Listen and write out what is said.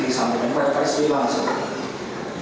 ini kok jadi ngerang supaya perjaksaan ini kita clear